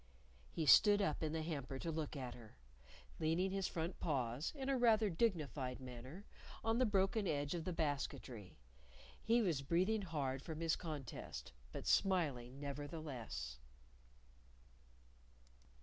He stood up in the hamper to look at her, leaning his front paws in rather a dignified manner on the broken edge of the basketry. He was breathing hard from his contest, but smiling nevertheless.